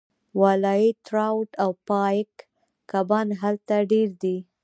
والای ټراوټ او پایک کبان هلته ډیر دي